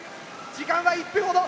時間は１分ほど。